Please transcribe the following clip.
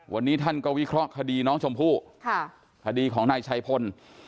วันนี้ท่านก็วิเคราะห์คดีน้องชมพู่คดีของนายชัยพล